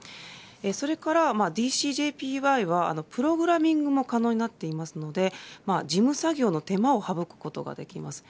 それからＤＣＪＰＹはプログラミングも可能になっていますので事務作業の手間を省くことができます。